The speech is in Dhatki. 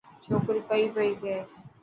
ڇوڪري ڪئي پئي ڪي.